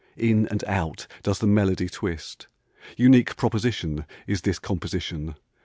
In and out does the melody twist Unique proposition Is this composition.